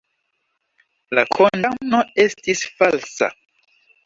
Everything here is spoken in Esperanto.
La kondamno estis falsa.